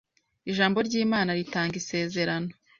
Ijambo ry’Imana ritanga isezerano